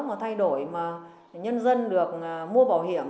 mà thay đổi mà nhân dân được mua bảo hiểm